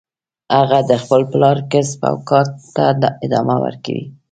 هغه د خپل پلار کسب او کار ته ادامه ورکوي